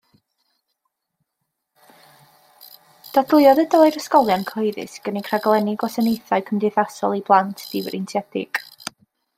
Dadleuodd y dylai'r ysgolion cyhoeddus gynnig rhaglenni gwasanaethau cymdeithasol i blant difreintiedig.